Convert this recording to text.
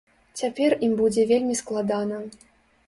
Цяпер ім будзе вельмі складана.